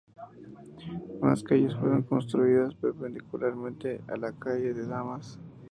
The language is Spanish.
Más calles fueron construidas perpendicularmente a la calle Las Damas.